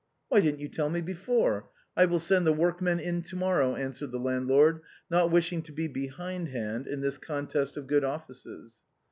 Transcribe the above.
" Why didn't you tell me before ? I will send the work men in to morrow," answered the landlord, not wishing to be behind hand in this contest of good offices.